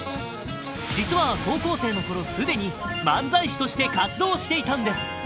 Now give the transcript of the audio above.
実は高校生の頃すでに漫才師として活動していたんです